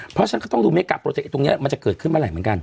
เพราะฉะนั้นก็ต้องดูเมกาโปรเจคตรงนี้มันจะเกิดขึ้นเมื่อไหร่เหมือนกัน